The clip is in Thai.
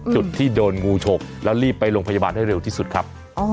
จุดที่โดนงูฉกแล้วรีบไปโรงพยาบาลให้เร็วที่สุดครับ